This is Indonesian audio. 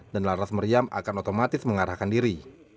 dan laras meriam akan otomatis mengarahkan diri